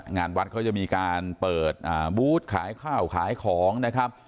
งานวัดเขาจะมีการเปิดบูธขายข้าวขายของนะครับ